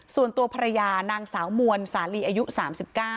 ส่วนตัวภรรยานางสาวมวลสาลีอายุ๓๙